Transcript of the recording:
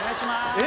え！